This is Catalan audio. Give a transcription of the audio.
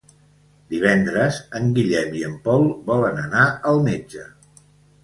Divendres en Guillem i en Pol volen anar al metge.